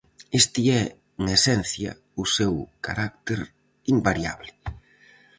Este é, en esencia, o seu carácter invariable.